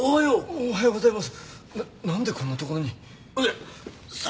おはようございます。